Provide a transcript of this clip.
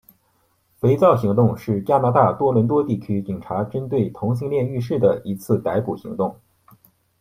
肥皂行动是加拿大大多伦多地区警察局针对同性恋浴室的一次逮捕行动。